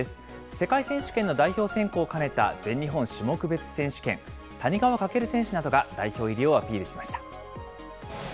世界選手権の代表選考を兼ねた全日本種目別選手権、谷川翔選手などが代表入りをアピールしました。